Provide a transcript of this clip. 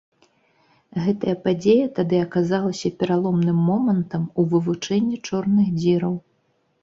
Гэта падзея тады аказалася пераломным момантам у вывучэнні чорных дзіраў.